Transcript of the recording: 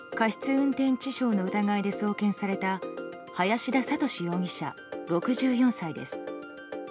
運転致傷の疑いで送検された林田覚容疑者、６４歳です。